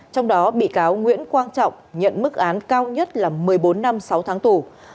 trong đó bị cáo nguyễn quang trọng nhận mức án cao nhất là một mươi bốn năm sáu tháng tù